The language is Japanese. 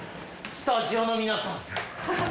スタジオの皆さん